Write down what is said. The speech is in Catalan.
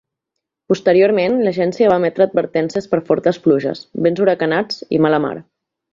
Posteriorment, l'agència va emetre advertències per fortes pluges, vents huracanats i mala mar.